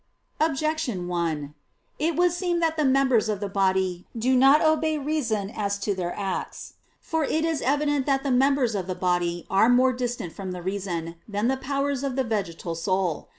Objection 1: It would seem that the members of the body do not obey reason as to their acts. For it is evident that the members of the body are more distant from the reason, than the powers of the vegetal soul.